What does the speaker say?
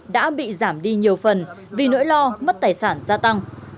đã bị giảm đi nhiều phần vì nỗi lo mất tài sản gia tăng